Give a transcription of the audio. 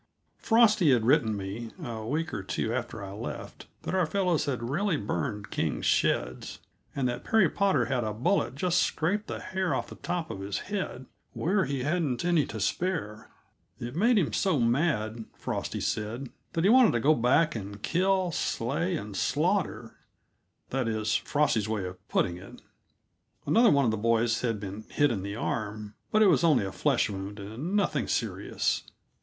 Frosty had written me, a week or two after I left, that our fellows had really burned King's sheds, and that Perry Potter had a bullet just scrape the hair off the top of his head, where he hadn't any to spare. It made him so mad, Frosty said, that he wanted to go back and kill, slay, and slaughter that is Frosty's way of putting it. Another one of the boys had been hit in the arm, but it was only a flesh wound and nothing serious.